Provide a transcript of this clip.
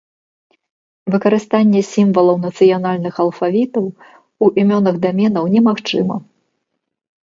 Выкарыстанне сімвалаў нацыянальных алфавітаў у імёнах даменаў немагчыма.